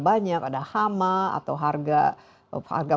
banyak ada hama atau harga